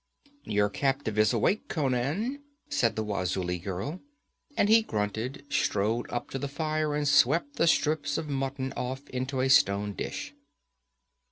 'Your captive is awake, Conan,' said the Wazuli girl, and he grunted, strode up to the fire and swept the strips of mutton off into a stone dish.